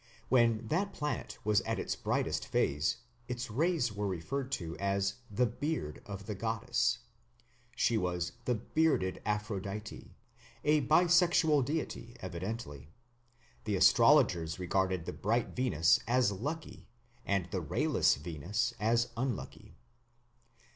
When that planet was at its brightest phase, its rays were referred to as "the beard" of the goddess; she was the "bearded Aphrodite" a bisexual deity evidently. The astrologers regarded the bright Venus as lucky and the rayless Venus as unlucky.